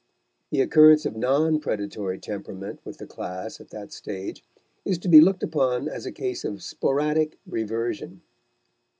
The occurrence of non predatory temperament with the class at that stage is to be looked upon as a case of sporadic reversion.